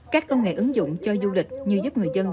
các nghề ứng dụng cho du lịch như giúp người dân